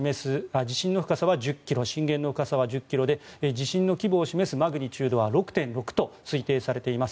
震源の深さは１０ｋｍで地震の規模を示すマグニチュードは６．６と推定されています。